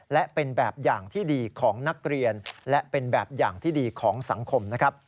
และเป็นแบบอย่างที่ดีของนักเรียนและเป็นแบบอย่างที่ดีของสังคมนะครับ